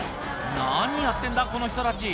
何やってんだ、この人たち。